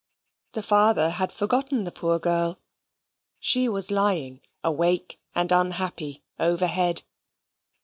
The father had forgotten the poor girl. She was lying, awake and unhappy, overhead.